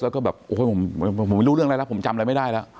แล้วก็แบบโอ้โหผมไม่รู้เรื่องอะไรแล้วผมจำอะไรไม่ได้แล้ว